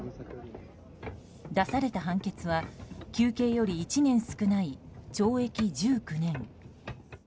出された判決は求刑より１年少ない懲役１９年。